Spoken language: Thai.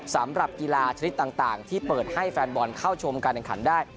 สำหรับกีฬาชนิดต่างที่เปิดให้แฟนบอลเข้าชมการแข่งขันได้